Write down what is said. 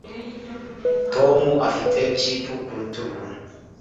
Tom afite chip ku rutugu